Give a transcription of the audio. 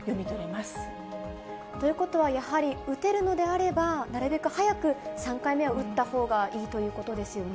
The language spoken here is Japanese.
まということは、やはり打てるのであれば、なるべく早く３回目を打ったほうがいいということですよね。